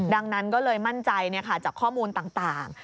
ดังนั้นก็เลยมั่นใจจากข้อมูลต่าง